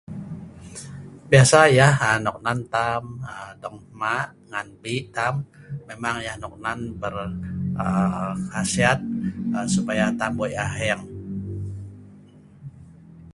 Biasa yah um nok nan tam um dong hma' man pikat, memang yah noknan [unintelligible] um khasiat um supaya tam wei' aheng